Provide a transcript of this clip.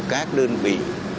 các đơn vị